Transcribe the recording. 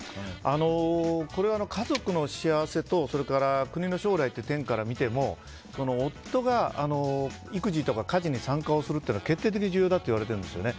家族の幸せと国の将来という点から見ても夫が育児とか家事に参加をするというのは決定的に重要だといわれているんですよね。